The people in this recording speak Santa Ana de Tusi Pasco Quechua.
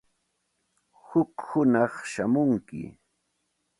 Huk hunaq shamunki.